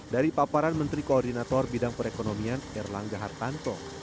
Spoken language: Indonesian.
dari paparan menteri koordinator bidang perekonomian erlangga hartanto